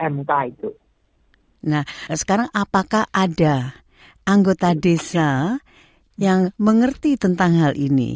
nah sekarang apakah ada anggota desa yang mengerti tentang hal ini